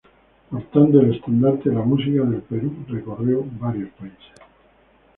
Portando el estandarte de la música del Perú recorrió varios países.